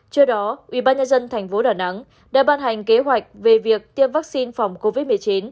trước đó ubnd tp đà nẵng đã ban hành kế hoạch về việc tiêm vaccine phòng covid một mươi chín